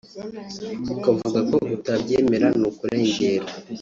ukavuga ko utabyemera ni ukurengera